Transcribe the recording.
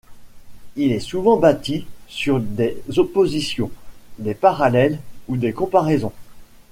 Il est souvent bâti sur des oppositions, des parallèles ou des comparaisons.